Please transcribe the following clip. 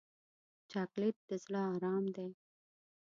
چاکلېټ د زړه ارام دی.